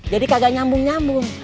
jadi kagak nyambung nyambung